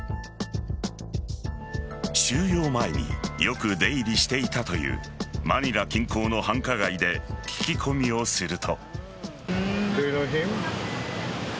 収容前によく出入りしたというマニラ近郊の繁華街で聞き込みをすると。